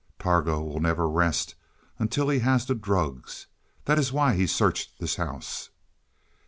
Targo will never rest until he has the drugs. That is why he searched this house.